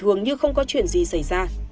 thường như không có chuyện gì xảy ra